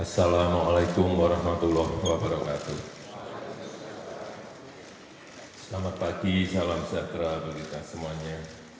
selamat pagi salam sejahtera bagi kita semuanya